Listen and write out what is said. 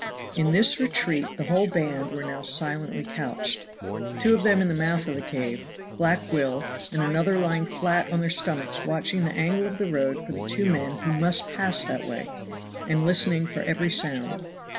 In this retreat the whole band were now silently couched, two of them in the mouth of the cave, Black Will and another lying flat on their stomachs watching the angle of the road for the two men who must pass that way, and listening for every sound.